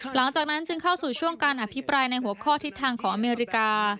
หลังจากนั้นจึงเข้าสู่ช่วงการอภิปรายในหัวข้อทิศทางของอเมริกา